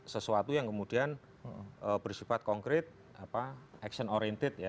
sesuatu yang kemudian bersifat konkret action oriented ya